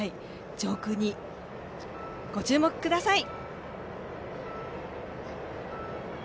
上空にご注目ください。